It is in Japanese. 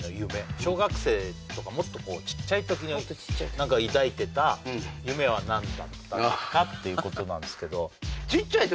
小学生とかもっとこうちっちゃい時にもっとちっちゃい時何か抱いてた夢は何だったのかっていうことなんですけどちっちゃい時？